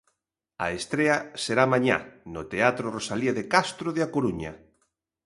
A estrea será mañá, no Teatro Rosalía de Castro de A Coruña.